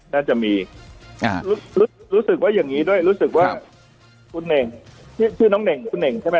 น่าจะมีรู้สึกว่าอย่างนี้ด้วยรู้สึกว่าคุณเน่งชื่อน้องเน่งคุณเน่งใช่ไหม